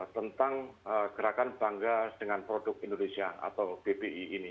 tentang gerakan bangga dengan produk indonesia atau bpi ini